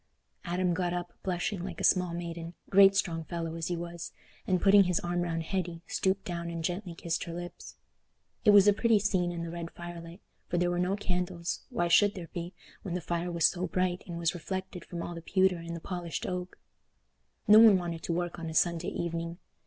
Adam got up, blushing like a small maiden—great strong fellow as he was—and, putting his arm round Hetty stooped down and gently kissed her lips. It was a pretty scene in the red fire light; for there were no candles—why should there be, when the fire was so bright and was reflected from all the pewter and the polished oak? No one wanted to work on a Sunday evening.